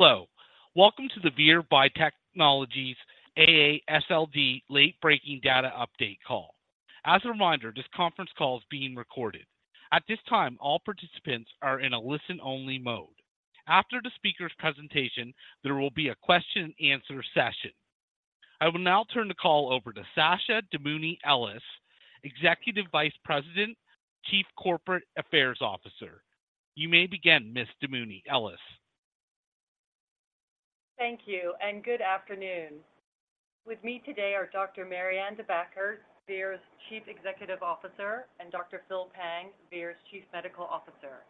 Hello, welcome to the Vir Biotechnology's AASLD late-breaking Data update call. As a reminder, this conference call is being recorded. At this time, all participants are in a listen-only mode. After the speaker's presentation, there will be a question and answer session. I will now turn the call over to Sasha Damouni Ellis, Executive Vice President, Chief Corporate Affairs Officer. You may begin, Ms. Damouni Ellis. Thank you and good afternoon. With me today are Dr. Marianne De Backer, Vir's Chief Executive Officer, and Dr. Phil Pang, Vir's Chief Medical Officer.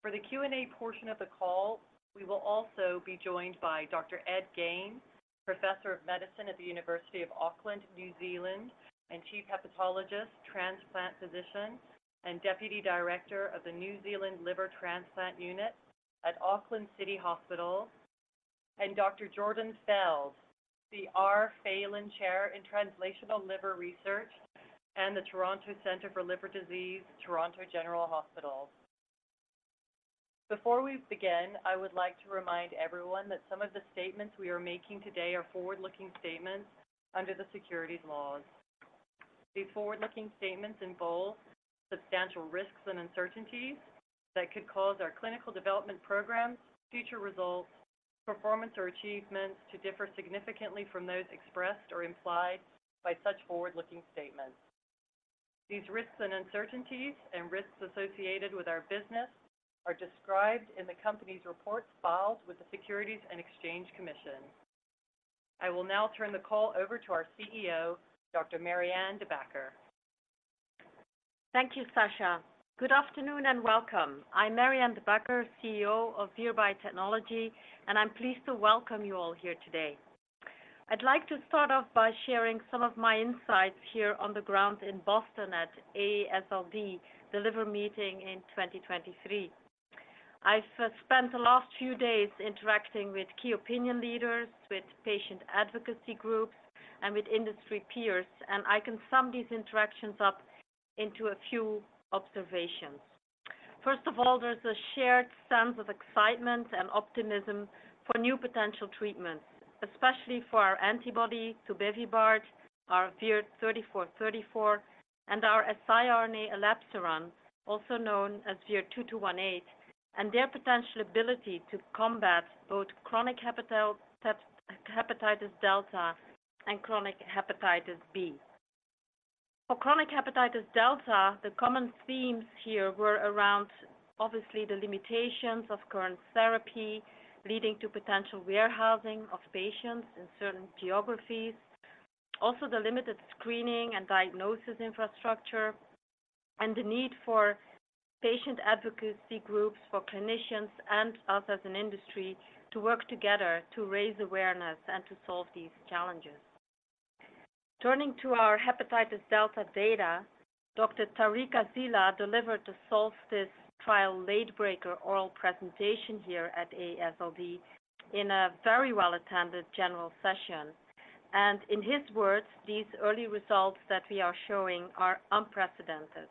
For the Q&A portion of the call, we will also be joined by Dr. Ed Gane, Professor of Medicine at the University of Auckland, New Zealand, and Chief Hepatologist, Transplant Physician, and Deputy Director of the New Zealand Liver Transplant Unit at Auckland City Hospital, and Dr. Jordan Feld, the R. Phelan Chair in Translational Liver Research and the Toronto Center for Liver Disease, Toronto General Hospital. Before we begin, I would like to remind everyone that some of the statements we are making today are forward-looking statements under the securities laws. These forward-looking statements involve substantial risks and uncertainties that could cause our clinical development programs, future results, performance, or achievements to differ significantly from those expressed or implied by such forward-looking statements. These risks and uncertainties and risks associated with our business are described in the company's reports filed with the Securities and Exchange Commission. I will now turn the call over to our CEO, Dr. Marianne De Backer. Thank you, Sasha. Good afternoon and welcome. I'm Marianne De Backer, CEO of Vir Biotechnology, and I'm pleased to welcome you all here today. I'd like to start off by sharing some of my insights here on the ground in Boston at AASLD The Liver Meeting in 2023. I've spent the last few days interacting with key opinion leaders, with patient advocacy groups, and with industry peers, and I can sum these interactions up into a few observations. First of all, there's a shared sense of excitement and optimism for new potential treatments, especially for our antibody tobevibart, our VIR-3434, and our siRNA elebsiran, also known as VIR-2218, and their potential ability to combat both chronic hepatitis delta and chronic hepatitis B. For chronic hepatitis delta, the common themes here were around obviously the limitations of current therapy, leading to potential warehousing of patients in certain geographies. Also, the limited screening and diagnosis infrastructure and the need for patient advocacy groups, for clinicians and us as an industry, to work together to raise awareness and to solve these challenges. Turning to our hepatitis delta data, Dr. Tarek Asselah delivered the SOLSTICE Trial late-breaker oral presentation here at AASLD in a very well-attended general session. And in his words, "These early results that we are showing are unprecedented,"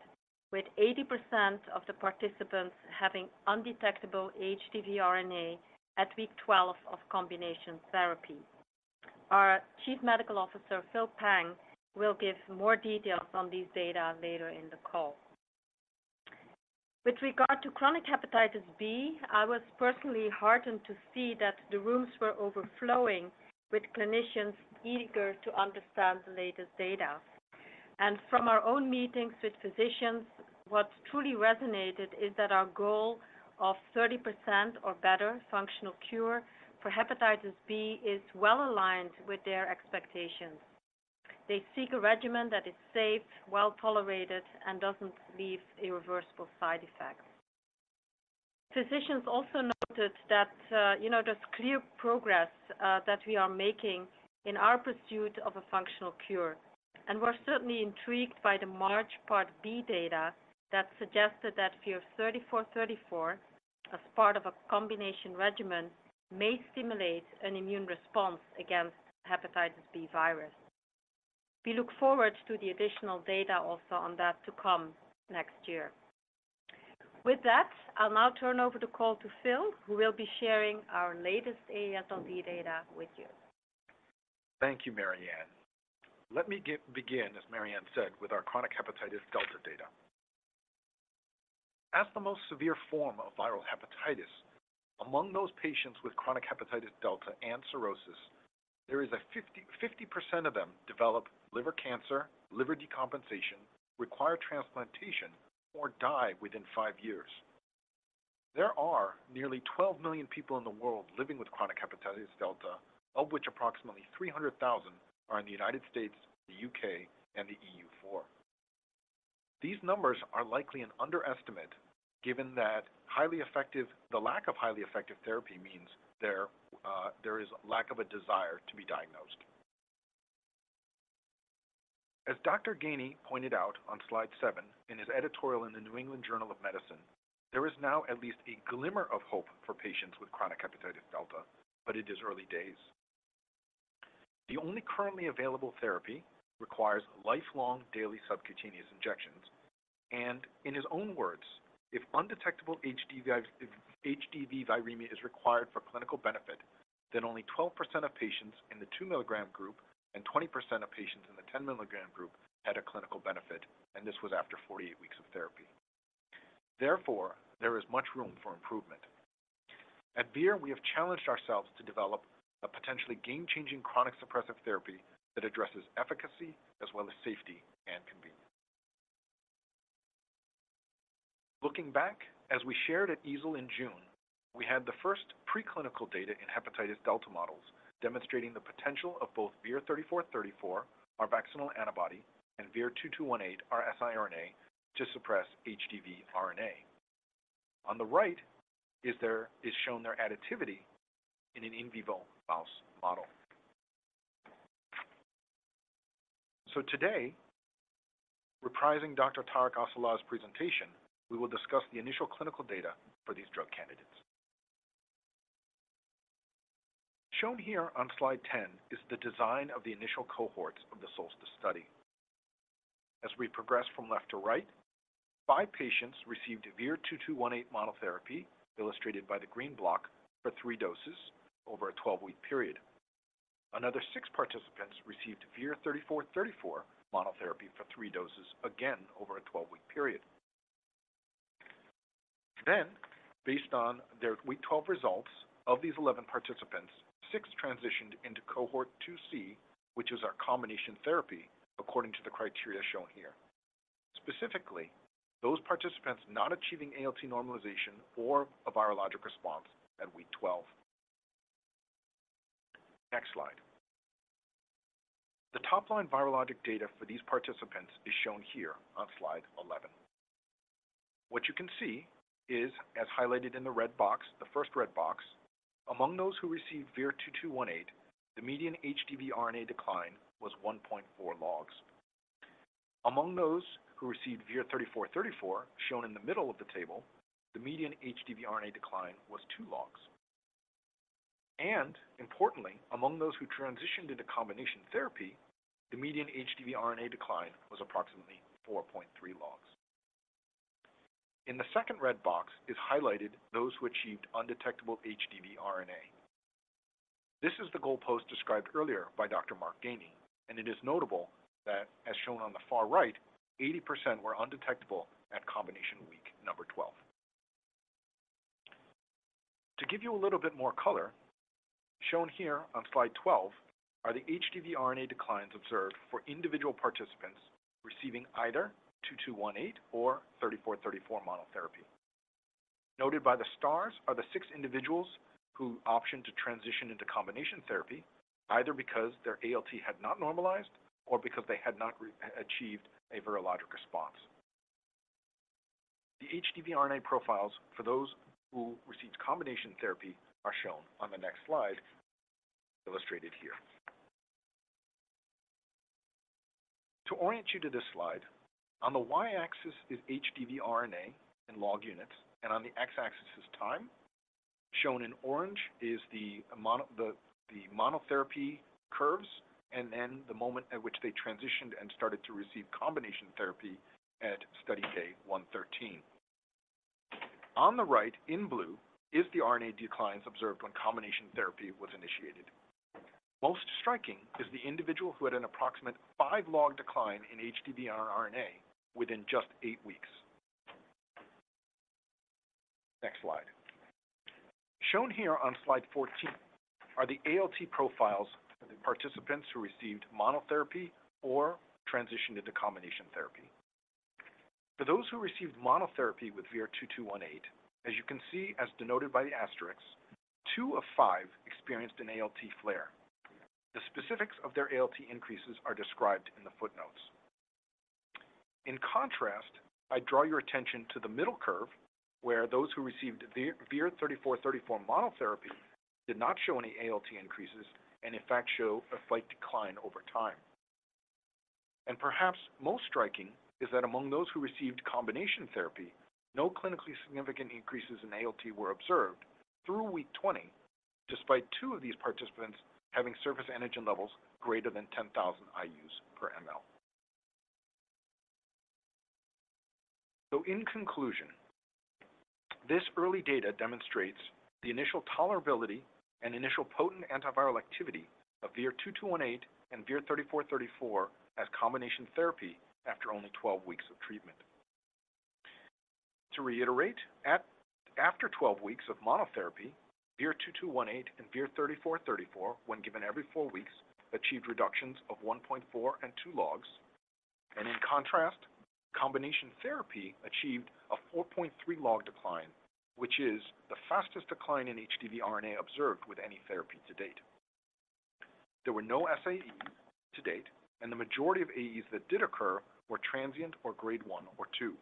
with 80% of the participants having undetectable HDV RNA at week 12 of combination therapy. Our Chief Medical Officer, Phil Pang, will give more details on these data later in the call. With regard to chronic hepatitis B, I was personally heartened to see that the rooms were overflowing with clinicians eager to understand the latest data. From our own meetings with physicians, what truly resonated is that our goal of 30% or better functional cure for hepatitis B is well aligned with their expectations. They seek a regimen that is safe, well-tolerated, and doesn't leave irreversible side effects. Physicians also noted that, you know, there's clear progress that we are making in our pursuit of a functional cure, and we're certainly intrigued by the MARCH Part B data that suggested that VIR-3434, as part of a combination regimen, may stimulate an immune response against hepatitis B virus. We look forward to the additional data also on that to come next year. With that, I'll now turn over the call to Phil, who will be sharing our latest AASLD data with you. Thank you, Marianne. Let me begin, as Marianne said, with our chronic hepatitis delta data. As the most severe form of viral hepatitis, among those patients with chronic hepatitis delta and cirrhosis, there is a 50-50% of them develop liver cancer, liver decompensation, require transplantation, or die within 5 years. There are nearly 12 million people in the world living with chronic hepatitis delta, of which approximately 300,000 are in the United States, the U.K., and the EU4. These numbers are likely an underestimate, given that the lack of highly effective therapy means there, there is lack of a desire to be diagnosed. As Dr. Gane pointed out on slide seven in his editorial in The New England Journal of Medicine. There is now at least a glimmer of hope for patients with chronic hepatitis delta, but it is early days... The only currently available therapy requires lifelong daily subcutaneous injections. In his own words, "If undetectable HDV, HDV viremia is required for clinical benefit, then only 12% of patients in the 2 mg group and 20% of patients in the 10 mg group had a clinical benefit, and this was after 48 weeks of therapy. Therefore, there is much room for improvement." At Vir, we have challenged ourselves to develop a potentially game-changing chronic suppressive therapy that addresses efficacy as well as safety and convenience. Looking back, as we shared at EASL in June, we had the first preclinical data in hepatitis delta models, demonstrating the potential of both VIR-3434, our vaccinal antibody, and VIR-2218, our siRNA, to suppress HDV RNA. On the right is shown their additivity in an in vivo mouse model. So today, reprising Dr. Tarek Asselah's presentation, we will discuss the initial clinical data for these drug candidates. Shown here on slide 10 is the design of the initial cohorts of the SOLSTICE study. As we progress from left to right, 5 patients received VIR-2218 monotherapy, illustrated by the green block, for 3 doses over a 12-week period. Another 6 participants received VIR-3434 monotherapy for 3 doses, again over a 12-week period. Then, based on their week 12 results, of these 11 participants, 6 transitioned into cohort 2C, which is our combination therapy, according to the criteria shown here. Specifically, those participants not achieving ALT normalization or a virologic response at week 12. Next slide. The top-line virologic data for these participants is shown here on slide 11. What you can see is, as highlighted in the red box, the first red box, among those who received VIR-2218, the median HDV RNA decline was 1.4 logs. Among those who received VIR-3434, shown in the middle of the table, the median HDV RNA decline was 2 logs. And importantly, among those who transitioned into combination therapy, the median HDV RNA decline was approximately 4.3 logs. In the second red box is highlighted those who achieved undetectable HDV RNA. This is the goalpost described earlier by Dr. Ed Gane, and it is notable that, as shown on the far right, 80% were undetectable at combination week 12. To give you a little bit more color, shown here on slide 12 are the HDV RNA declines observed for individual participants receiving either 2218 or 3434 monotherapy. Noted by the stars are the six individuals who opted to transition into combination therapy, either because their ALT had not normalized or because they had not re-achieved a virologic response. The HDV RNA profiles for those who received combination therapy are shown on the next slide, illustrated here. To orient you to this slide, on the Y-axis is HDV RNA in log units, and on the X-axis is time. Shown in orange is the monotherapy curves, and then the moment at which they transitioned and started to receive combination therapy at study day 113. On the right, in blue, is the RNA declines observed when combination therapy was initiated. Most striking is the individual who had an approximate 5-log decline in HDV RNA within just 8 weeks. Next slide. Shown here on slide 14 are the ALT profiles for the participants who received monotherapy or transitioned into combination therapy. For those who received monotherapy with VIR-2218, as you can see, as denoted by the asterisks, 2 of 5 experienced an ALT flare. The specifics of their ALT increases are described in the footnotes. In contrast, I draw your attention to the middle curve, where those who received VIR-3434 monotherapy did not show any ALT increases and in fact show a slight decline over time. And perhaps most striking is that among those who received combination therapy, no clinically significant increases in ALT were observed through week 20, despite 2 of these participants having surface antigen levels greater than 10,000 IUs per ml. So in conclusion, this early data demonstrates the initial tolerability and initial potent antiviral activity of VIR-2218 and VIR-3434 as combination therapy after only 12 weeks of treatment. To reiterate, after 12 weeks of monotherapy, VIR-2218 and VIR-3434, when given every 4 weeks, achieved reductions of 1.4 and 2 logs. In contrast, combination therapy achieved a 4.3 log decline, which is the fastest decline in HDV RNA observed with any therapy to date. There were no SAEs to date, and the majority of AEs that did occur were transient or grade 1 or 2.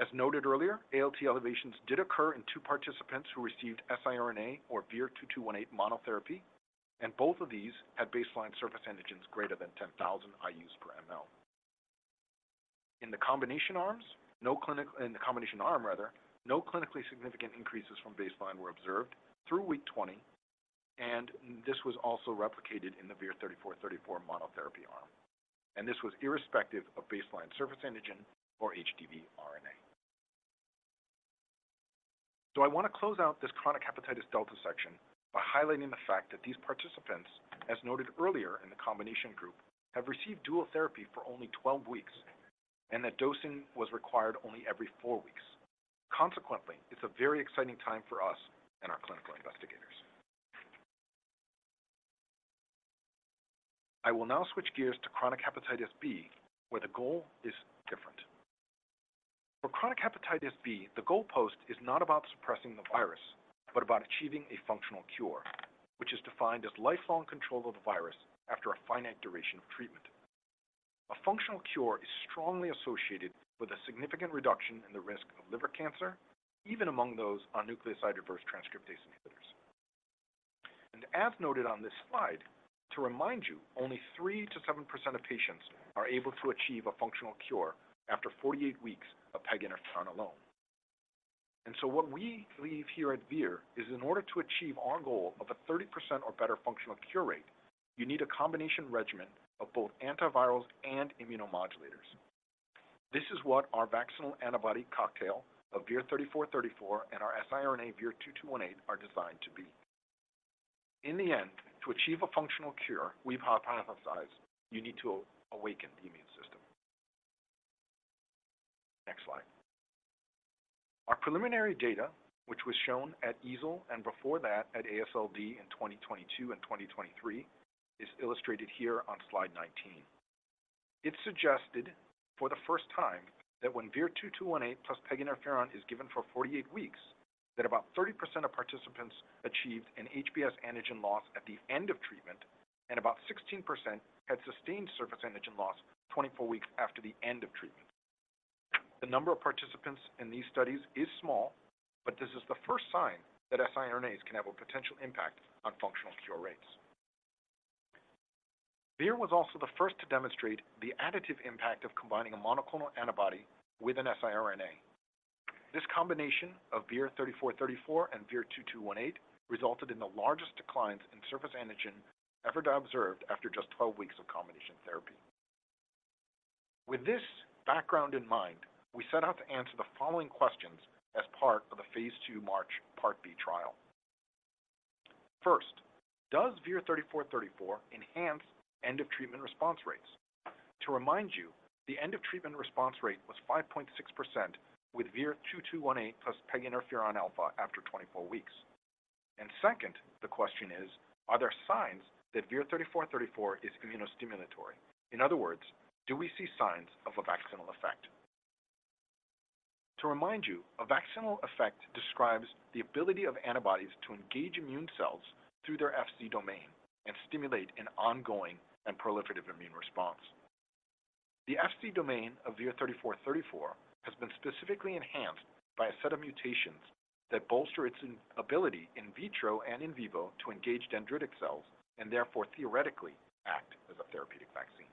As noted earlier, ALT elevations did occur in two participants who received siRNA or VIR-2218 monotherapy, and both of these had baseline surface antigens greater than 10,000 IUs per ml. In the combination arms, no clinically significant increases from baseline were observed through week 20, and this was also replicated in the VIR-3434 monotherapy arm. This was irrespective of baseline surface antigen or HBV RNA. I want to close out this chronic hepatitis delta section by highlighting the fact that these participants, as noted earlier in the combination group, have received dual therapy for only 12 weeks and that dosing was required only every 4 weeks. Consequently, it's a very exciting time for us and our clinical investigators. I will now switch gears to chronic hepatitis B, where the goal is different. For chronic hepatitis B, the goal post is not about suppressing the virus, but about achieving a functional cure, which is defined as lifelong control of the virus after a finite duration of treatment. A functional cure is strongly associated with a significant reduction in the risk of liver cancer, even among those on nucleoside reverse transcriptase inhibitors. As noted on this slide, to remind you, only 3%-7% of patients are able to achieve a functional cure after 48 weeks of peg interferon alone. So what we believe here at Vir is in order to achieve our goal of a 30% or better functional cure rate, you need a combination regimen of both antivirals and immunomodulators. This is what our vaccinal antibody cocktail of VIR-3434 and our siRNA VIR-2218 are designed to be. In the end, to achieve a functional cure, we've hypothesized you need to awaken the immune system. Next slide. Our preliminary data, which was shown at EASL and before that at AASLD in 2022 and 2023, is illustrated here on slide 19. It suggested for the first time that when VIR-2218 plus peg interferon is given for 48 weeks, that about 30% of participants achieved an HBsAg loss at the end of treatment, and about 16% had sustained surface antigen loss 24 weeks after the end of treatment. The number of participants in these studies is small, but this is the first sign that siRNAs can have a potential impact on functional cure rates. Vir was also the first to demonstrate the additive impact of combining a monoclonal antibody with an siRNA. This combination of VIR-3434 and VIR-2218 resulted in the largest declines in surface antigen ever observed after just 12 weeks of combination therapy. With this background in mind, we set out to answer the following questions as part of the phase II MARCH Part B trial. First, does VIR-3434 enhance end of treatment response rates? To remind you, the end of treatment response rate was 5.6% with VIR-2218 plus peg interferon alpha after 24 weeks. Second, the question is, are there signs that VIR-3434 is immunostimulatory? In other words, do we see signs of a vaccinal effect? To remind you, a vaccinal effect describes the ability of antibodies to engage immune cells through their Fc domain and stimulate an ongoing and proliferative immune response. The Fc domain of VIR-3434 has been specifically enhanced by a set of mutations that bolster its inability in vitro and in vivo to engage dendritic cells and therefore theoretically act as a therapeutic vaccine.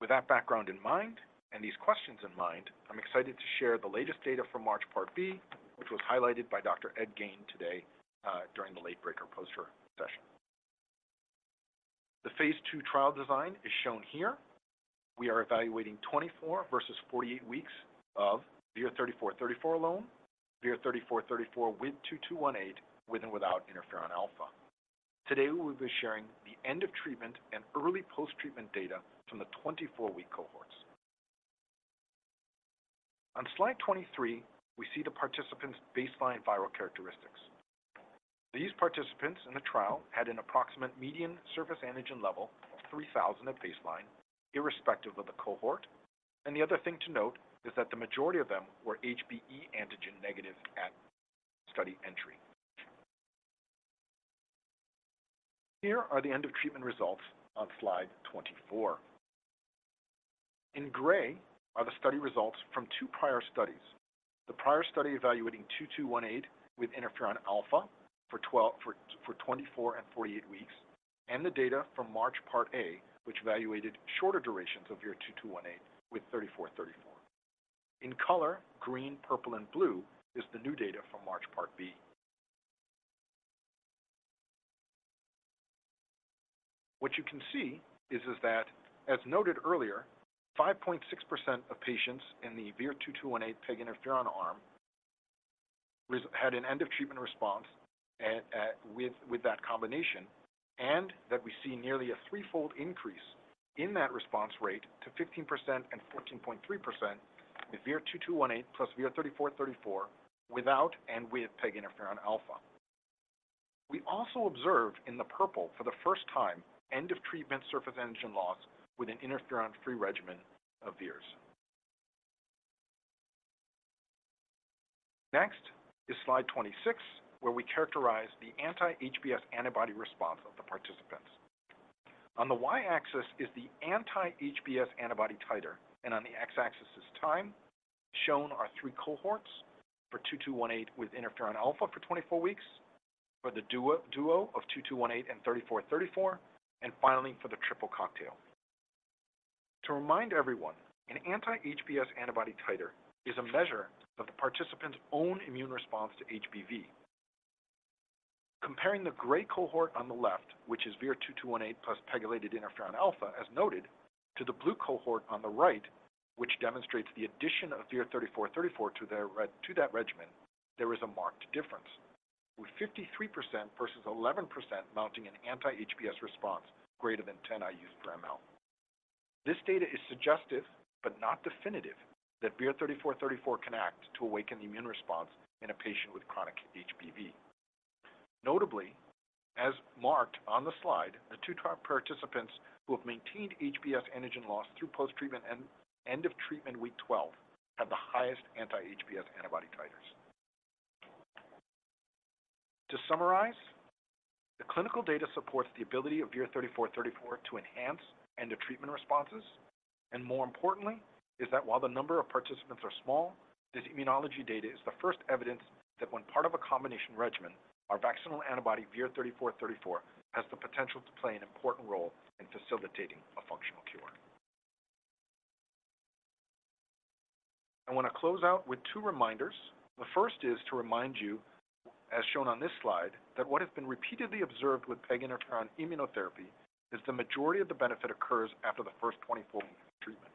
With that background in mind and these questions in mind, I'm excited to share the latest data from MARCH Part B, which was highlighted by Dr. Ed Gane today, during the late breaker poster session. The phase II trial design is shown here. We are evaluating 24 versus 48 weeks of VIR-3434 alone, VIR-3434 with 2218, with and without interferon alpha. Today, we will be sharing the end of treatment and early post-treatment data from the 24-week cohorts. On slide 23, we see the participants' baseline viral characteristics. These participants in the trial had an approximate median surface antigen level of 3,000 at baseline, irrespective of the cohort, and the other thing to note is that the majority of them were HBe antigen negative at study entry. Here are the end of treatment results on slide 24. In gray are the study results from two prior studies. The prior study evaluating 2218 with interferon alpha for 12, 24 and 48 weeks, and the data from MARCH Part A, which evaluated shorter durations of VIR-2218 with 3434. In color, green, purple, and blue, is the new data from MARCH Part B. What you can see is that, as noted earlier, 5.6% of patients in the VIR-2218 peg interferon arm had an end of treatment response with that combination, and that we see nearly a threefold increase in that response rate to 15% and 14.3% with VIR-2218 plus VIR-3434 without and with peg interferon alpha. We also observed in the purple for the first time, end of treatment surface antigen loss with an interferon-free regimen of years. Next is slide 26, where we characterize the anti-HBs antibody response of the participants. On the Y-axis is the anti-HBs antibody titer, and on the X-axis is time. Shown are three cohorts for 2218 with interferon alpha for 24 weeks for the duo of VIR-2218 and VIR-3434, and finally, for the triple cocktail. To remind everyone, an anti-HBs antibody titer is a measure of the participant's own immune response to HBV. Comparing the gray cohort on the left, which is VIR-2218 plus pegylated interferon alpha, as noted, to the blue cohort on the right, which demonstrates the addition of VIR-3434 to that regimen, there is a marked difference, with 53% versus 11% mounting an anti-HBs response greater than 10 IUs per mL. This data is suggestive, but not definitive, that VIR-3434 can act to awaken the immune response in a patient with chronic HBV. Notably, as marked on the slide, the two trial participants who have maintained HBsAg loss through post-treatment and end of treatment week 12 have the highest anti-HBs antibody titers. To summarize, the clinical data supports the ability of VIR-3434 to enhance end of treatment responses, and more importantly, is that while the number of participants are small, this immunology data is the first evidence that when part of a combination regimen, our vaccinal antibody, VIR-3434, has the potential to play an important role in facilitating a functional cure. I want to close out with two reminders. The first is to remind you, as shown on this slide, that what has been repeatedly observed with peg interferon immunotherapy is the majority of the benefit occurs after the first 24 weeks of treatment.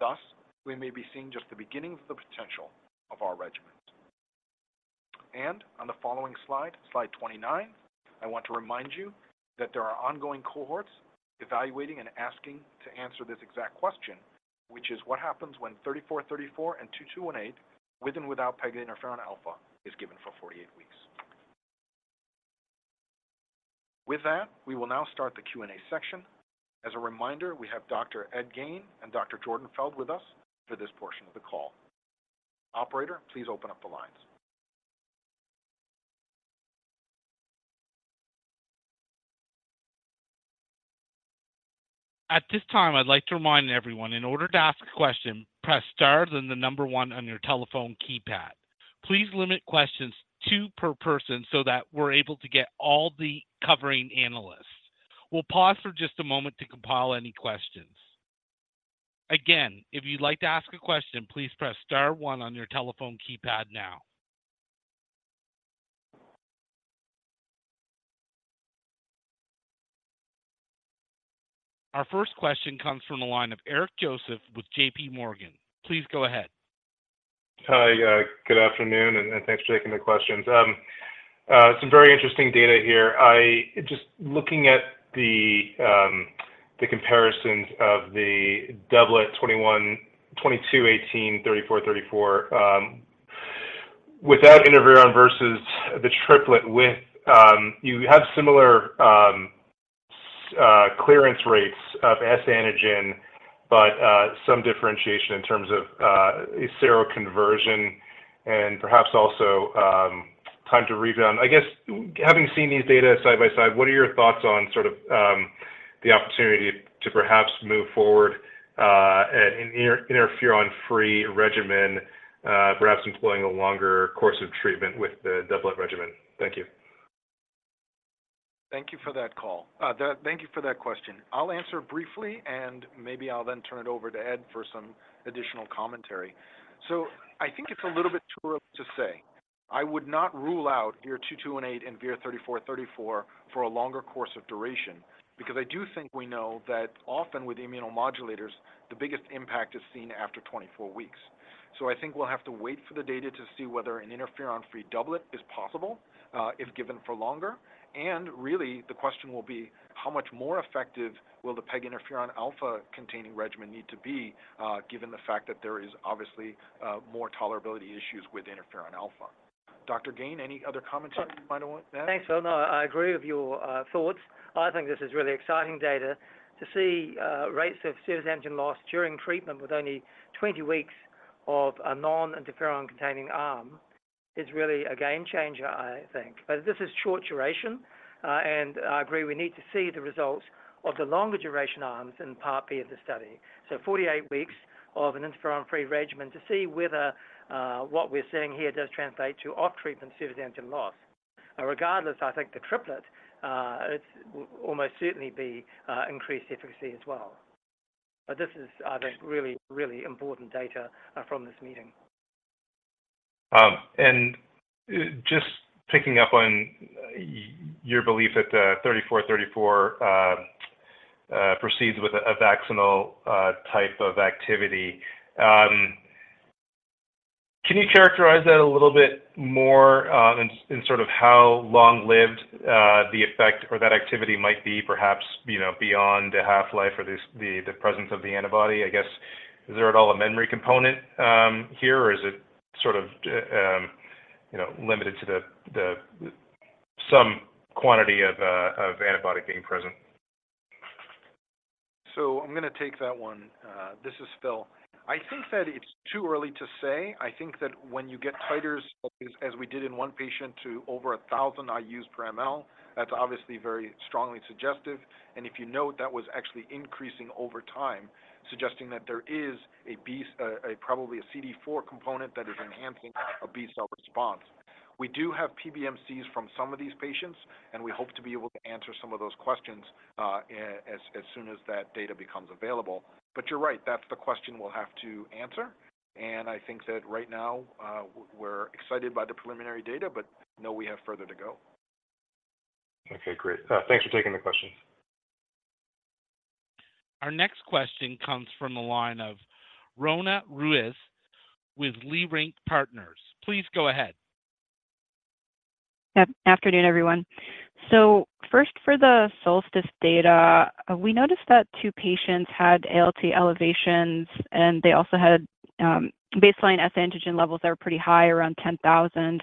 Thus, we may be seeing just the beginning of the potential of our regimens. And on the following slide, slide 29, I want to remind you that there are ongoing cohorts evaluating and asking to answer this exact question, which is: What happens when VIR-3434 and VIR-2218, with and without peg interferon alpha, is given for 48 weeks? With that, we will now start the Q&A section. As a reminder, we have Dr. Ed Gane and Dr. Jordan Feld with us for this portion of the call. Operator, please open up the lines. At this time, I'd like to remind everyone, in order to ask a question, press star, then the number one on your telephone keypad. Please limit questions two per person so that we're able to get all the covering analysts. We'll pause for just a moment to compile any questions. Again, if you'd like to ask a question, please press star one on your telephone keypad now. Our first question comes from the line of Eric Joseph with J.P. Morgan. Please go ahead. Hi, good afternoon, and thanks for taking the questions. Some very interesting data here. Just looking at the comparisons of the doublet 2218, 3434 without interferon versus the triplet with, you have similar clearance rates of S-antigen, but some differentiation in terms of a seroconversion and perhaps also time to rebound. I guess, having seen these data side by side, what are your thoughts on sort of the opportunity to perhaps move forward an interferon-free regimen, perhaps employing a longer course of treatment with the doublet regimen? Thank you. Thank you for that call. Thank you for that question. I'll answer briefly, and maybe I'll then turn it over to Ed for some additional commentary. So I think it's a little bit too early to say. I would not rule out VIR-2218 and VIR-3434 for a longer course of duration, because I do think we know that often with immunomodulators, the biggest impact is seen after 24 weeks. So I think we'll have to wait for the data to see whether an interferon-free doublet is possible, if given for longer. And really, the question will be: How much more effective will the peg interferon alpha-containing regimen need to be, given the fact that there is obviously more tolerability issues with interferon alpha? Dr. Gane, any other commentary you might want to add? Thanks, Phil. No, I agree with your thoughts. I think this is really exciting data. To see rates of surface antigen loss during treatment with only 20 weeks of a non-interferon-containing arm is really a game changer, I think. But this is short duration, and I agree we need to see the results of the longer duration arms in Part B of the study. So 48 weeks of an interferon-free regimen to see whether what we're seeing here does translate to off-treatment surface antigen loss. Regardless, I think the triplet it's almost certainly be increased efficacy as well. But this is, I think, really, really important data from this meeting. And just picking up on your belief that 3434 proceeds with a vaccinal type of activity, can you characterize that a little bit more, in sort of how long-lived the effect or that activity might be perhaps, you know, beyond the half-life or this, the, the presence of the antibody? I guess, is there at all a memory component here, or is it sort of, you know, limited to the, the some quantity of antibody being present? So I'm going to take that one. This is Phil. I think that it's too early to say. I think that when you get titers, as we did in one patient, to over 1,000 IUs per mL, that's obviously very strongly suggestive. And if you note, that was actually increasing over time, suggesting that there is probably a CD4 component that is enhancing a B cell response. We do have PBMCs from some of these patients, and we hope to be able to answer some of those questions, as soon as that data becomes available. But you're right, that's the question we'll have to answer. And I think that right now, we're excited by the preliminary data but know we have further to go. Okay, great. Thanks for taking the question. Our next question comes from the line of Roanna Ruiz with Leerink Partners. Please go ahead. Yep. Afternoon, everyone. So first, for the SOLSTICE data, we noticed that two patients had ALT elevations, and they also had baseline S-antigen levels that were pretty high, around 10,000.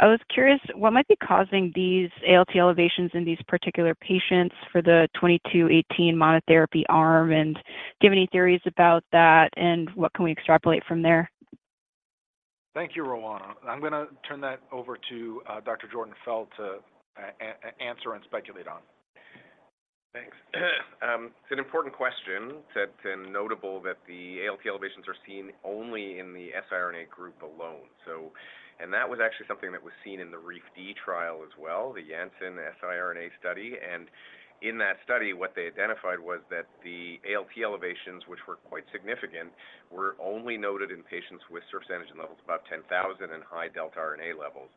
I was curious, what might be causing these ALT elevations in these particular patients for the 2218 monotherapy arm? And do you have any theories about that, and what can we extrapolate from there? Thank you, Roanna. I'm gonna turn that over to Dr. Jordan Feld to answer and speculate on. Thanks. It's an important question. That's notable that the ALT elevations are seen only in the siRNA group alone. So, and that was actually something that was seen in the REEF-D trial as well, the Janssen siRNA study. And in that study, what they identified was that the ALT elevations, which were quite significant, were only noted in patients with surface antigen levels above 10,000 and high delta RNA levels.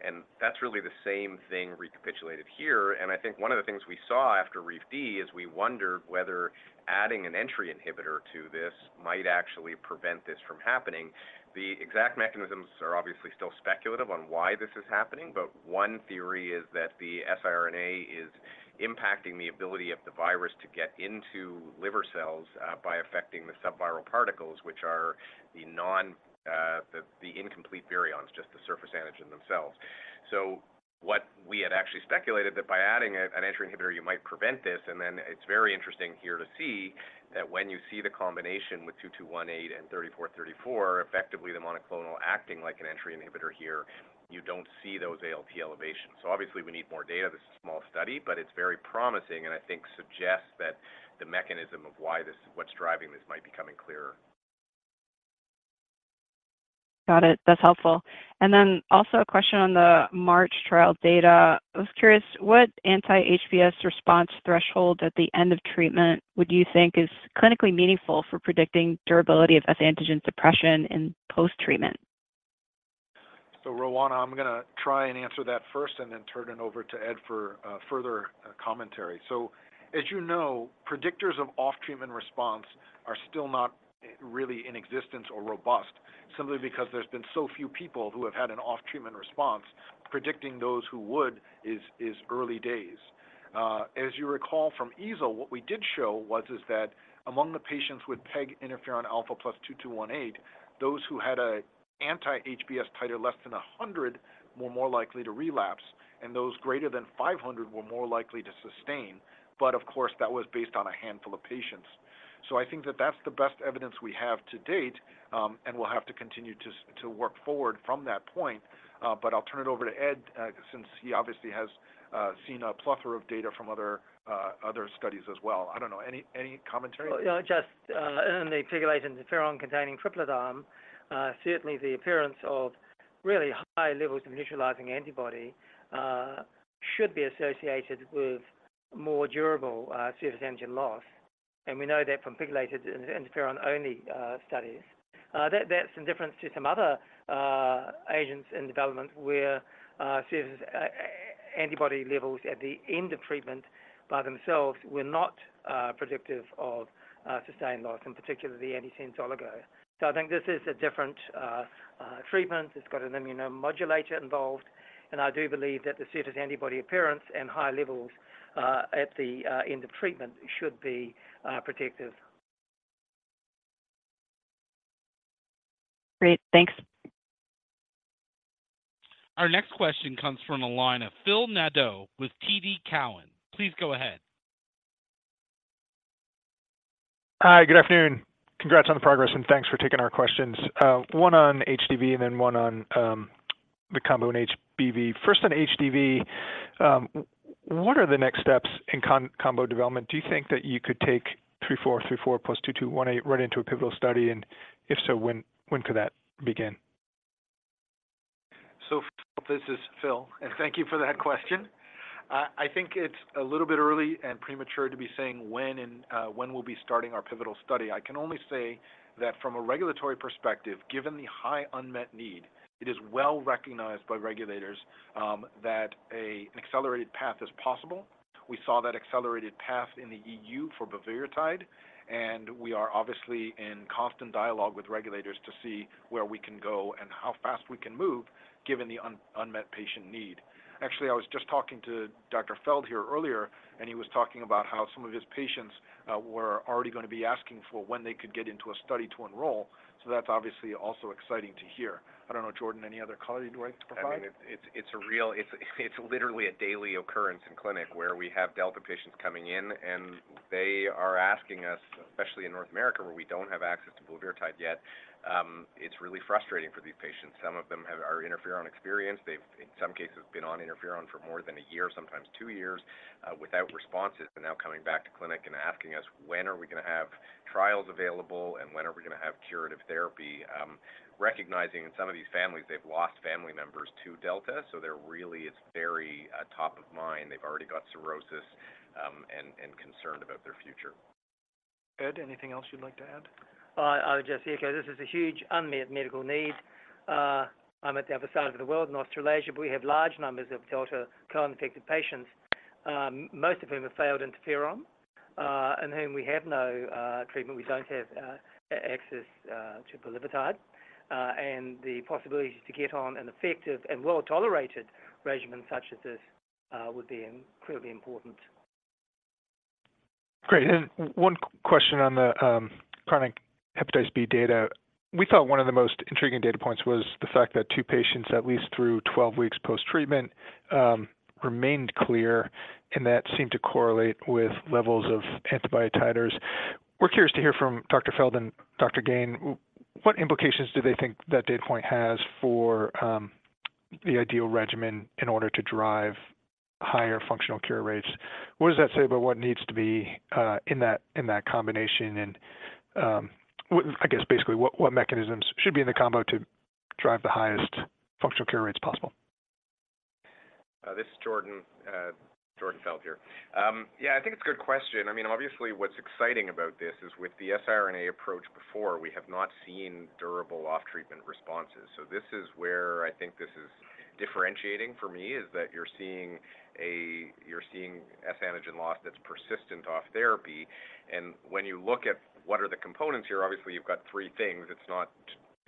And that's really the same thing recapitulated here. And I think one of the things we saw after REEF-D is we wondered whether adding an entry inhibitor to this might actually prevent this from happening. The exact mechanisms are obviously still speculative on why this is happening, but one theory is that the siRNA is impacting the ability of the virus to get into liver cells by affecting the subviral particles, which are the non, the incomplete virions, just the surface antigen themselves. So what we had actually speculated that by adding an entry inhibitor, you might prevent this. And then it's very interesting here to see that when you see the combination with 2218 and 3434, effectively, the monoclonal acting like an entry inhibitor here, you don't see those ALT elevations. So obviously, we need more data. This is a small study, but it's very promising and I think suggests that the mechanism of why this, what's driving this might be becoming clearer. Got it. That's helpful. And then also a question on the MARCH trial data. I was curious, what anti-HBs response threshold at the end of treatment would you think is clinically meaningful for predicting durability of HBe antigen suppression in post-treatment? So, Roanna, I'm gonna try and answer that first and then turn it over to Ed for further commentary. So as you know, predictors of off-treatment response are still not really in existence or robust, simply because there's been so few people who have had an off-treatment response. Predicting those who would is early days. As you recall from EASL, what we did show was that among the patients with PEG interferon alpha plus 2218, those who had an anti-HBs titer less than 100 were more likely to relapse, and those greater than 500 were more likely to sustain. But of course, that was based on a handful of patients. So I think that that's the best evidence we have to date, and we'll have to continue to work forward from that point. But I'll turn it over to Ed, since he obviously has seen a plethora of data from other, other studies as well. I don't know, any, any commentary? Well, yeah, just, in the pegylated interferon-containing triplet arm, certainly the appearance of really high levels of neutralizing antibody, should be associated with more durable, surface antigen loss, and we know that from pegylated interferon-only studies. That's in difference to some other agents in development where, surface antibody levels at the end of treatment by themselves were not predictive of, sustained loss, in particular the antisense oligo. So I think this is a different treatment. It's got an immunomodulator involved, and I do believe that the surface antibody appearance and high levels, at the end of treatment should be predictive. Great. Thanks. Our next question comes from a line of Phil Nadeau with TD Cowen. Please go ahead. Hi, good afternoon. Congrats on the progress, and thanks for taking our questions. One on HDV and then one on the combo in HBV. First, on HDV, what are the next steps in combo development? Do you think that you could take 3434 + 2218 right into a pivotal study, and if so, when could that begin? Phil, this is Phil, and thank you for that question. I think it's a little bit early and premature to be saying when and when we'll be starting our pivotal study. I can only say that from a regulatory perspective, given the high unmet need, it is well recognized by regulators that an accelerated path is possible. We saw that accelerated path in the EU for bulevirtide, and we are obviously in constant dialogue with regulators to see where we can go and how fast we can move, given the unmet patient need. Actually, I was just talking to Dr. Feld here earlier, and he was talking about how some of his patients were already gonna be asking for when they could get into a study to enroll. So that's obviously also exciting to hear. I don't know, Jordan, any other color you'd like to provide? I mean, it's literally a daily occurrence in clinic where we have delta patients coming in, and they are asking us, especially in North America, where we don't have access to bulevirtide yet, it's really frustrating for these patients. Some of them are interferon-experienced. They've, in some cases, been on interferon for more than a year, sometimes two years, without responses, and now coming back to clinic and asking us, "When are we gonna have trials available, and when are we gonna have cures?" therapy, recognizing in some of these families, they've lost family members to delta, so they're really, it's very top of mind. They've already got cirrhosis, and concerned about their future. Ed, anything else you'd like to add? I would just echo, this is a huge unmet medical need. I'm at the other side of the world in Australasia, but we have large numbers of Delta co-infected patients, most of whom have failed interferon, and whom we have no treatment. We don't have access to bulevirtide. And the possibility to get on an effective and well-tolerated regimen such as this would be incredibly important. Great. One question on the chronic hepatitis B data. We thought one of the most intriguing data points was the fact that two patients, at least through 12 weeks post-treatment, remained clear, and that seemed to correlate with levels of antibody titers. We're curious to hear from Dr. Feld and Dr. Gane, what implications do they think that data point has for the ideal regimen in order to drive higher functional cure rates? What does that say about what needs to be in that combination and, I guess, basically, what mechanisms should be in the combo to drive the highest functional cure rates possible? This is Jordan, Jordan Feld here. Yeah, I think it's a good question. I mean, obviously, what's exciting about this is with the sRNA approach before, we have not seen durable off-treatment responses. So this is where I think this is differentiating for me, is that you're seeing you're seeing S antigen loss that's persistent off therapy. And when you look at what are the components here, obviously, you've got three things.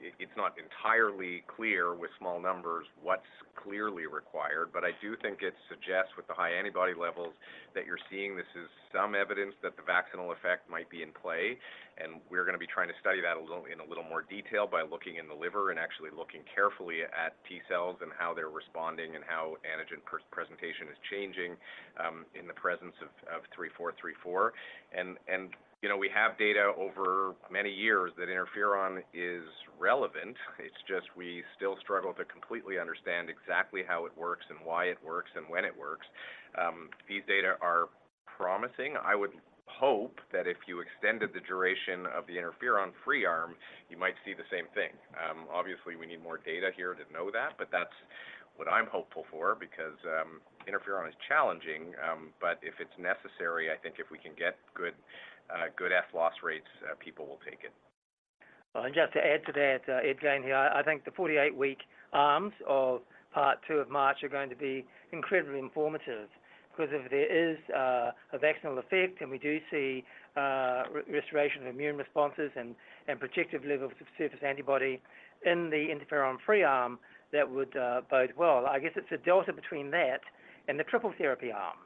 It's not entirely clear with small numbers what's clearly required. But I do think it suggests, with the high antibody levels that you're seeing, this is some evidence that the vaccinal effect might be in play, and we're gonna be trying to study that a little, in a little more detail by looking in the liver and actually looking carefully at T cells and how they're responding and how antigen presentation is changing, in the presence of 3434. And, you know, we have data over many years that interferon is relevant. It's just we still struggle to completely understand exactly how it works and why it works and when it works. These data are promising. I would hope that if you extended the duration of the interferon free arm, you might see the same thing. Obviously, we need more data here to know that, but that's what I'm hopeful for because interferon is challenging, but if it's necessary, I think if we can get good HBsAg loss rates, people will take it. And just to add to that, Ed Gane here, I think the 48-week arms of part two of MARCH are going to be incredibly informative. Because if there is a vaccinal effect, and we do see restoration of immune responses and protective levels of surface antibody in the interferon-free arm, that would bode well. I guess it's a delta between that and the triple therapy arm.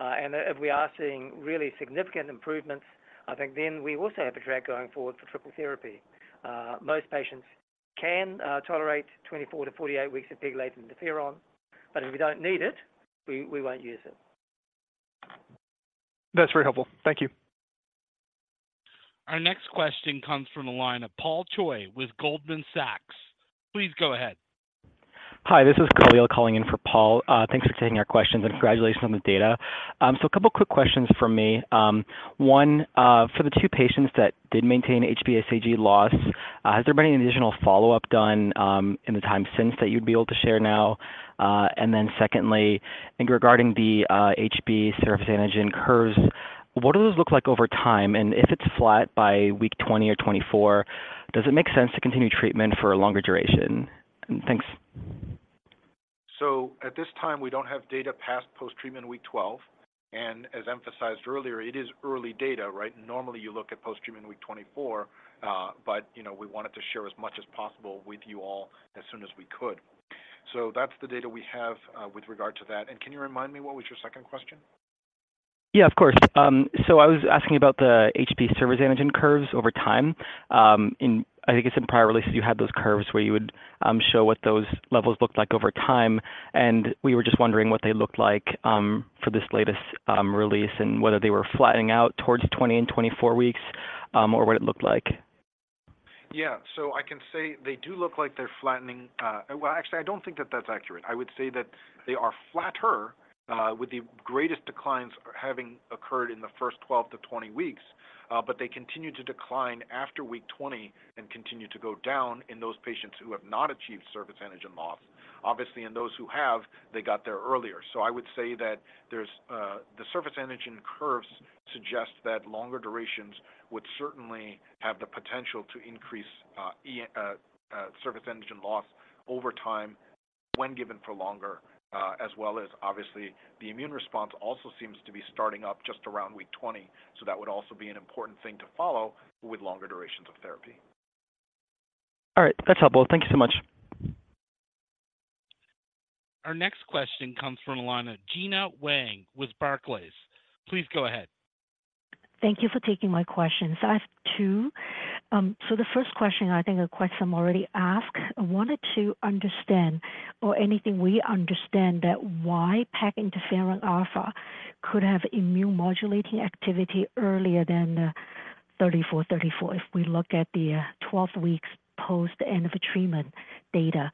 And if we are seeing really significant improvements, I think then we also have a track going forward for triple therapy. Most patients can tolerate 24-48 weeks of pegylated interferon, but if we don't need it, we won't use it. That's very helpful. Thank you. Our next question comes from the line of Paul Choi with Goldman Sachs. Please go ahead. Hi, this is Khalil calling in for Paul. Thanks for taking our questions, and congratulations on the data. So a couple quick questions from me. One, for the two patients that did maintain HBsAg loss, has there been any additional follow-up done, in the time since that you'd be able to share now? And then secondly, I think regarding the HBsAg curves, what do those look like over time? And if it's flat by week 20 or 24, does it make sense to continue treatment for a longer duration? Thanks. So at this time, we don't have data past post-treatment week 12, and as emphasized earlier, it is early data, right? Normally, you look at post-treatment week 24, but, you know, we wanted to share as much as possible with you all as soon as we could. So that's the data we have, with regard to that. And can you remind me, what was your second question? Yeah, of course. So I was asking about the HBsAg curves over time. In prior releases, you had those curves where you would show what those levels looked like over time, and we were just wondering what they looked like for this latest release and whether they were flattening out towards 20 and 24 weeks, or what it looked like. Yeah. So I can say they do look like they're flattening. Well, actually, I don't think that that's accurate. I would say that they are flatter, with the greatest declines having occurred in the first 12 to 20 weeks. But they continue to decline after week 20 and continue to go down in those patients who have not achieved surface antigen loss. Obviously, in those who have, they got there earlier. So I would say that there's, the surface antigen curves suggest that longer durations would certainly have the potential to increase, surface antigen loss over time when given for longer, as well as obviously, the immune response also seems to be starting up just around week 20, so that would also be an important thing to follow with longer durations of therapy. All right. That's helpful. Thank you so much. Our next question comes from the line of Gena Wang with Barclays. Please go ahead. Thank you for taking my question. So I have two. So the first question, I think a question I'm already asked: I wanted to understand or anything we understand that why peg interferon alpha could have immune-modulating activity earlier than the 3434 if we look at the, 12 weeks post-end of a treatment data.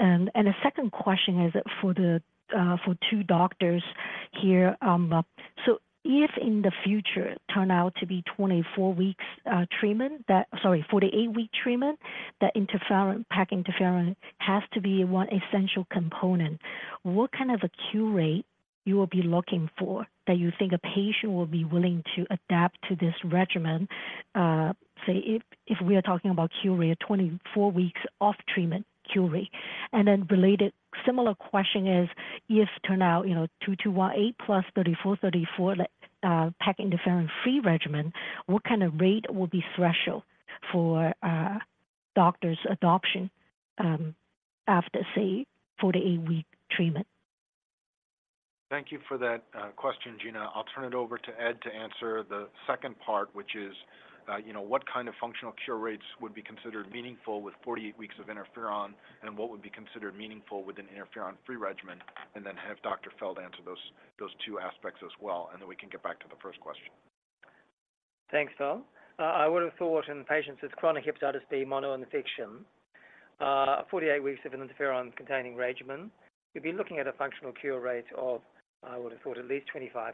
And the second question is for the, for two doctors here, but so if in the future turn out to be 24 weeks, treatment, that-- sorry, 48-week treatment, that interferon, peg interferon has to be one essential component, what kind of a cure rate you will be looking for that you think a patient will be willing to adapt to this regimen, say, if, if we are talking about cure rate, 24 weeks off treatment cure rate? Then a related similar question is, if turn out, you know, 2218 plus 3434, 3434, like, peg interferon-free regimen, what kind of rate will be threshold for doctors' adoption after, say, 48-week treatment? Thank you for that, question, Gena. I'll turn it over to Ed to answer the second part, which is, you know, what kind of functional cure rates would be considered meaningful with 48 weeks of interferon and what would be considered meaningful with an interferon-free regimen? And then have Dr. Feld answer those two aspects as well, and then we can get back to the first question. Thanks, Pang. I would have thought in patients with chronic hepatitis B monoinfection, 48 weeks of an interferon-containing regimen, you'd be looking at a functional cure rate of, I would have thought at least 25%.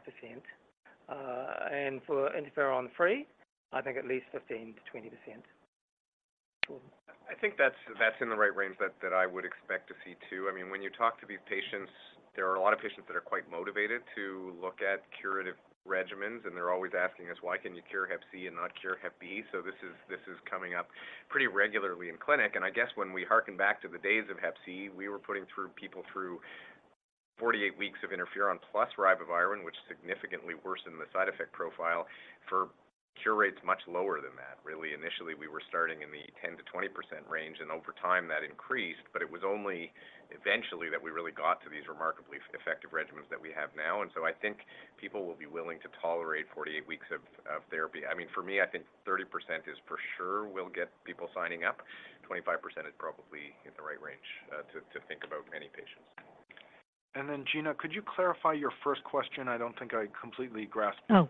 And for interferon-free, I think at least 15%-20%. I think that's in the right range that I would expect to see, too. I mean, when you talk to these patients, there are a lot of patients that are quite motivated to look at curative regimens, and they're always asking us, "Why can you cure hep C and not cure hep B?" So this is coming up pretty regularly in clinic, and I guess when we hearken back to the days of hep C, we were putting people through 48 weeks of interferon plus ribavirin, which significantly worsened the side effect profile for cure rates much lower than that. Really, initially, we were starting in the 10%-20% range, and over time that increased, but it was only eventually that we really got to these remarkably effective regimens that we have now, and so I think people will be willing to tolerate 48 weeks of, of therapy. I mean, for me, I think 30% is for sure will get people signing up. 25% is probably in the right range, to think about many patients. And then, eina, could you clarify your first question? I don't think I completely grasped it. Oh,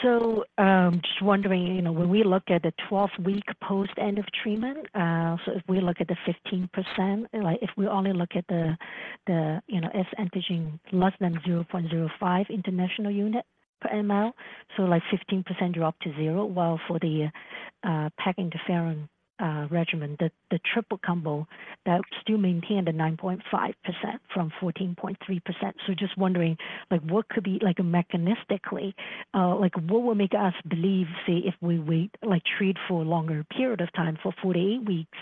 sure. So, just wondering, you know, when we look at the 12-week post-end of treatment, so if we look at the 15%, like if we only look at the S-antigen less than 0.05 international unit per mL, so like 15% drop to zero. While for the peg interferon regimen, the triple combo that still maintained a 9.5% from 14.3%. So just wondering, like what could be... like mechanistically, like what would make us believe, say, if we wait, like treat for a longer period of time, for 48 weeks,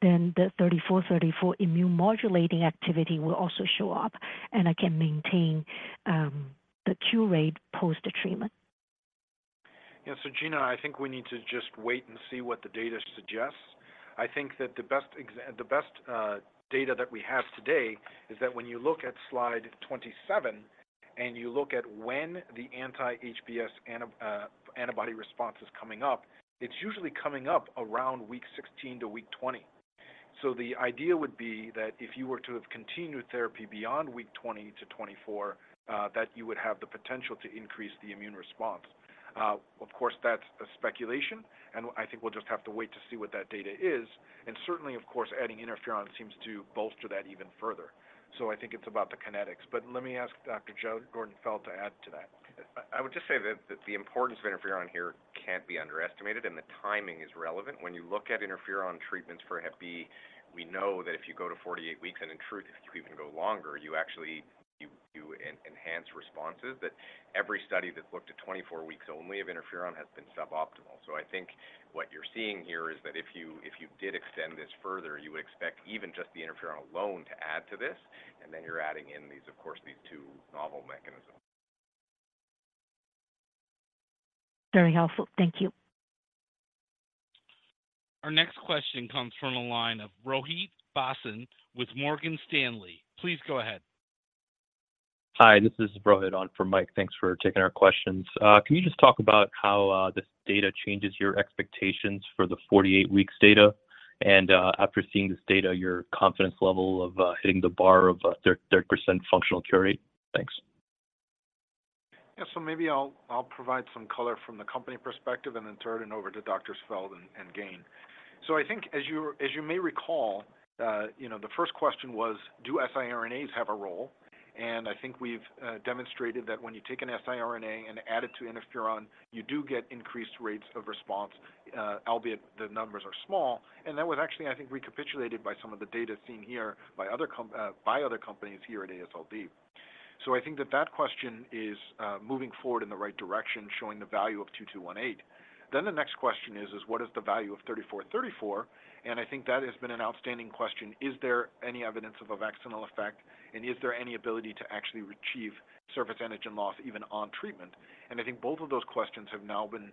then the 3434 immune-modulating activity will also show up and again maintain the cure rate post-treatment? Yeah. So, Gena, I think we need to just wait and see what the data suggests. I think that the best data that we have today is that when you look at slide 27 and you look at when the anti-HBs antibody response is coming up, it's usually coming up around week 16 to week 20. So the idea would be that if you were to have continued therapy beyond week 20 to 24, that you would have the potential to increase the immune response. Of course, that's a speculation, and I think we'll just have to wait to see what that data is, and certainly of course, adding interferon seems to bolster that even further. So I think it's about the kinetics. But let me ask Dr. Jordan Feld to add to that. I would just say that the importance of interferon here can't be underestimated, and the timing is relevant. When you look at interferon treatments for hep B, we know that if you go to 48 weeks, and in truth, if you even go longer, you actually enhance responses, that every study that's looked at 24 weeks only of interferon has been suboptimal. So I think what you're seeing here is that if you did extend this further, you would expect even just the interferon alone to add to this, and then you're adding in these, of course, these two novel mechanisms. Very helpful. Thank you. Our next question comes from the line of Rohit Bhasin with Morgan Stanley. Please go ahead. Hi, this is Rohit on for Mike. Thanks for taking our questions. Can you just talk about how this data changes your expectations for the 48 weeks data and, after seeing this data, your confidence level of hitting the bar of a 30% functional cure rate? Thanks. Yeah. So maybe I'll provide some color from the company perspective and then turn it over to Doctors Feld and Gane. So I think as you may recall, you know, the first question was: Do siRNAs have a role? And I think we've demonstrated that when you take an siRNA and add it to interferon, you do get increased rates of response, albeit the numbers are small, and that was actually, I think, recapitulated by some of the data seen here by other companies here at AASLD. So I think that question is moving forward in the right direction, showing the value of 2218. Then the next question is, what is the value of 3434? And I think that has been an outstanding question. Is there any evidence of a vaccinal effect, and is there any ability to actually achieve surface antigen loss even on treatment? I think both of those questions have now been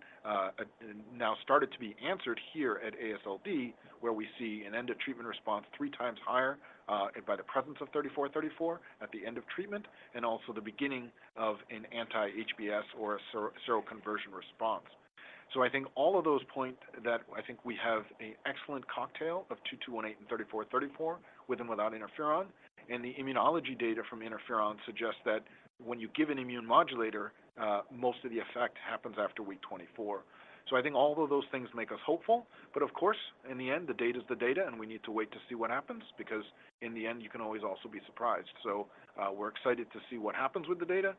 now started to be answered here at AASLD, where we see an end-of-treatment response 3 times higher by the presence of 3434 at the end of treatment, and also the beginning of an anti-HBs or a seroconversion response. So I think all of those point that I think we have a excellent cocktail of 2218 and 3434, with and without interferon. And the immunology data from interferon suggests that when you give an immune modulator, most of the effect happens after week 24. So I think all of those things make us hopeful. But of course, in the end, the data is the data, and we need to wait to see what happens, because in the end, you can always also be surprised. So, we're excited to see what happens with the data,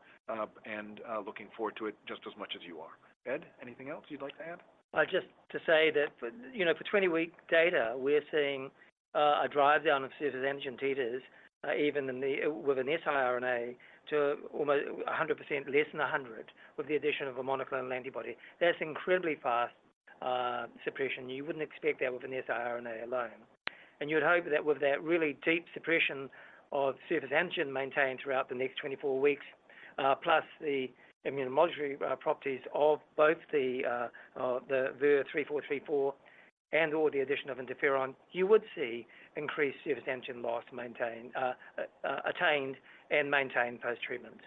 and looking forward to it just as much as you are. Ed, anything else you'd like to add? Just to say that for, you know, for 20-week data, we're seeing a drive down of surface antigen titers, even in the with an siRNA to almost 100%, less than 100, with the addition of a monoclonal antibody. That's incredibly fast suppression. You wouldn't expect that with an siRNA alone. And you would hope that with that really deep suppression of surface antigen maintained throughout the next 24 weeks, plus the immunomodulatory properties of both the VIR-3434 and or the addition of interferon, you would see increased surface antigen loss maintained, attained and maintained post-treatment.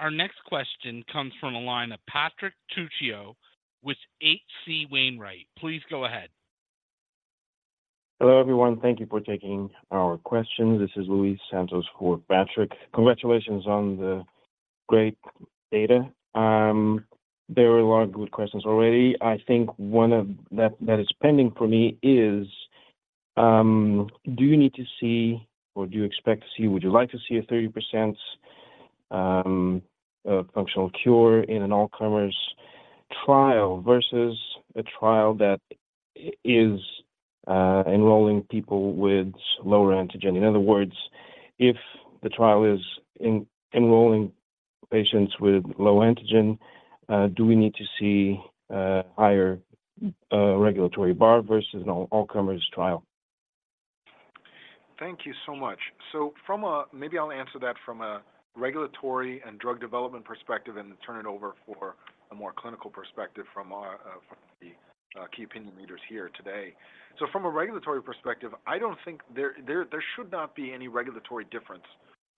Our next question comes from a line of Patrick Trucchio with H.C. Wainwright. Please go ahead. Hello, everyone. Thank you for taking our question. This is Luis Santos for Patrick. Congratulations on the great data. There were a lot of good questions already. I think one of that that is pending for me is, do you need to see or do you expect to see, would you like to see a 30% functional cure in an all-comers trial versus a trial that is enrolling people with lower antigen? In other words, if the trial is enrolling patients with low antigen, do we need to see a higher regulatory bar versus an all-comers trial? Thank you so much. So from a regulatory and drug development perspective and turn it over for a more clinical perspective from our key opinion leaders here today. So from a regulatory perspective, I don't think there should not be any regulatory difference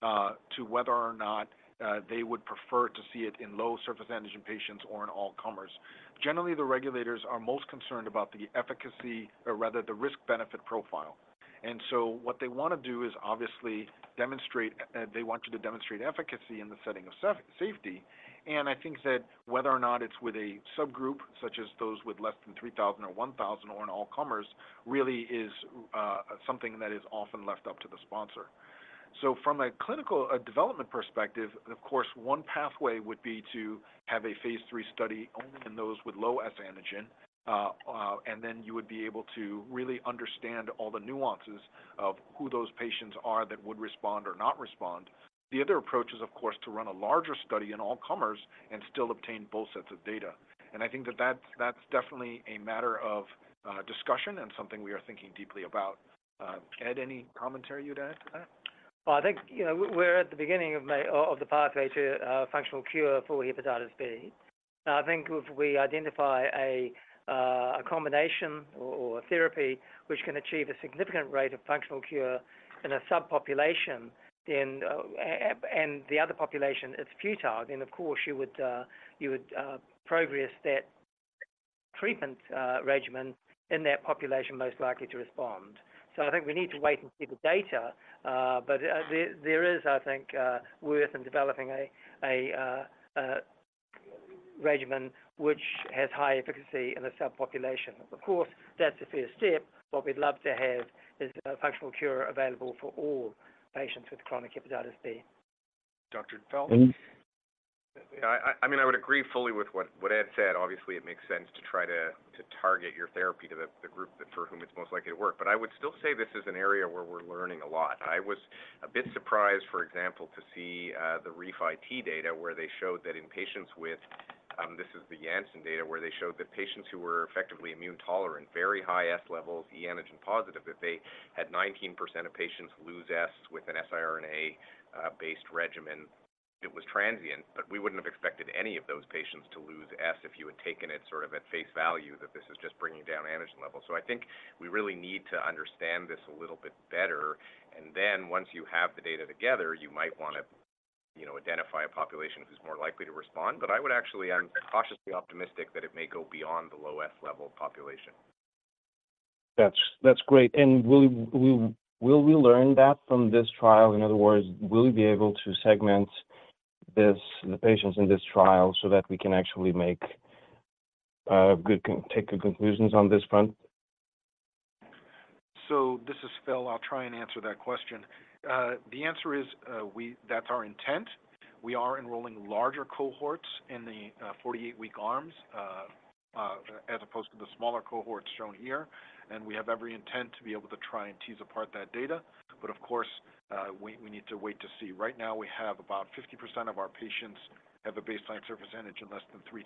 to whether or not they would prefer to see it in low surface antigen patients or in all comers. Generally, the regulators are most concerned about the efficacy or rather the risk-benefit profile. And so what they want to do is obviously demonstrate, they want you to demonstrate efficacy in the setting of safety. And I think that whether or not it's with a subgroup, such as those with less than 3,000 or 1,000 or in all comers, really is something that is often left up to the sponsor. So from a clinical, development perspective, of course, one pathway would be to have a phase III study only in those with low S-antigen, and then you would be able to really understand all the nuances of who those patients are that would respond or not respond. The other approach is, of course, to run a larger study in all comers and still obtain both sets of data. And I think that that's definitely a matter of discussion and something we are thinking deeply about. Ed, any commentary you'd add to that? Well, I think, you know, we're at the beginning, maybe, of the pathway to a functional cure for hepatitis B. I think if we identify a combination or a therapy which can achieve a significant rate of functional cure in a subpopulation, then, and the other population is futile, then, of course, you would progress that treatment regimen in that population most likely to respond. So I think we need to wait and see the data, but there is, I think, worth in developing a regimen which has high efficacy in a subpopulation. Of course, that's the first step. What we'd love to have is a functional cure available for all patients with chronic hepatitis B. Dr. Feld? Yeah, I mean, I would agree fully with what Ed said. Obviously, it makes sense to try to target your therapy to the group that for whom it's most likely to work. But I would still say this is an area where we're learning a lot. I was a bit surprised, for example, to see the REEF-D data, where they showed that in patients with this is the Janssen data, where they showed that patients who were effectively immune tolerant, very high S-levels, e-antigen positive, that they had 19% of patients lose S with an siRNA based regimen. It was transient, but we wouldn't have expected any of those patients to lose S if you had taken it sort of at face value, that this is just bringing down antigen levels. So I think we really need to understand this a little bit better, and then once you have the data together, you might want to, you know, identify a population who's more likely to respond. But I would actually, I'm cautiously optimistic that it may go beyond the low S-level population. That's, that's great. And will we, will we learn that from this trial? In other words, will we be able to segment this, the patients in this trial so that we can actually make good conclusions on this front? So this is Feld. I'll try and answer that question. The answer is, we—that's our intent. We are enrolling larger cohorts in the 48-week arms, as opposed to the smaller cohorts shown here. And we have every intent to be able to try and tease apart that data. But of course, we need to wait to see. Right now, we have about 50% of our patients have a baseline surface antigen, less than 3,000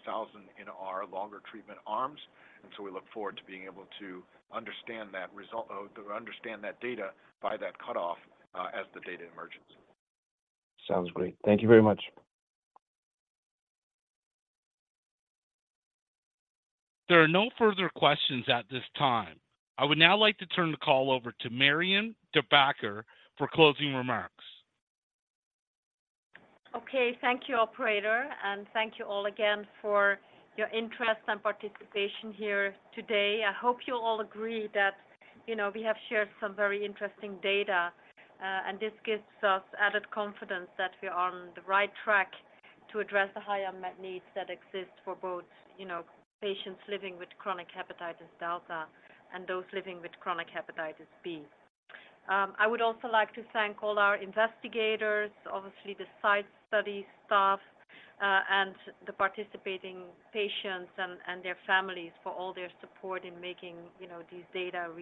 in our longer treatment arms. And so we look forward to being able to understand that result or understand that data by that cutoff, as the data emerges. Sounds great. Thank you very much. There are no further questions at this time. I would now like to turn the call over to Marianne De Backer for closing remarks. Okay, thank you, operator, and thank you all again for your interest and participation here today. I hope you all agree that, you know, we have shared some very interesting data, and this gives us added confidence that we are on the right track to address the high unmet needs that exist for both, you know, patients living with chronic hepatitis delta and those living with chronic hepatitis B. I would also like to thank all our investigators, obviously, the site study staff, and the participating patients and their families for all their support in making, you know, these data a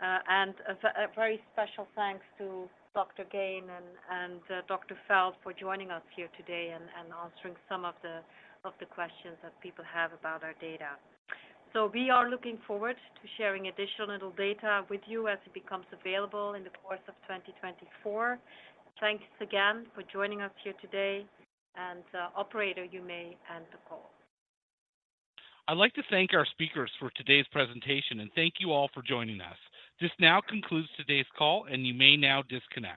reality. And a very special thanks to Dr. Gane and Dr. Feld for joining us here today and answering some of the questions that people have about our data. We are looking forward to sharing additional data with you as it becomes available in the course of 2024. Thanks again for joining us here today, and operator, you may end the call. I'd like to thank our speakers for today's presentation, and thank you all for joining us. This now concludes today's call, and you may now disconnect.